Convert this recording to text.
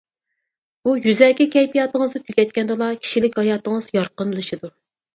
بۇ يۈزەكى كەيپىياتىڭىزنى تۈگەتكەندىلا كىشىلىك ھاياتىڭىز يارقىنلىشىدۇ.